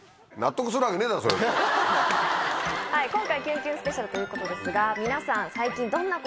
今回キュンキュンスペシャルということですが皆さん。